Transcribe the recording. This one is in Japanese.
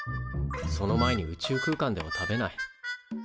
その前に宇宙空間では食べない。